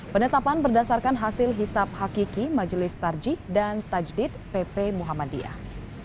penetapan berdasarkan hasil hisap hakiki majelis tarjik dan tajdid pp muhammadiyah